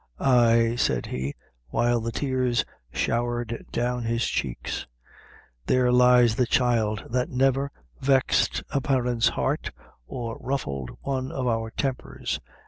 "Ay," said he, while the tears showered down his cheeks, "there lies the child that never vexed a parent's heart or ruffled one of our tempers.